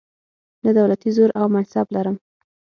نه دولتي زور او منصب لرم.